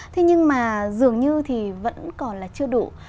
thế nhưng mà dường như thì vẫn còn là chưa đủ